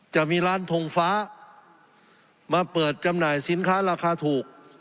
จะมีร้านทงฟ้ามาเปิดจำหน่ายสินค้าราคาถูก